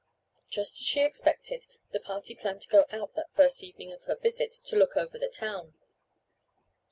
Just as she expected the party planned to go out that first evening of her visit to "look over the town."